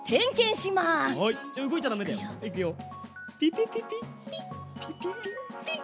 ピピピピピピピピッ！